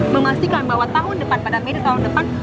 memastikan bahwa tahun depan pada may day tahun depan